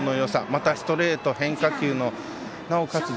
またストレート、変化球のなおかつ